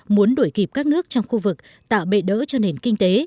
muốn đuổi kịp các nước trong khu vực tạo bệ đỡ cho nền kinh tế